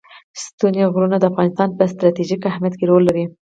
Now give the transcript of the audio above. ستوني غرونه د افغانستان په ستراتیژیک اهمیت کې رول لري.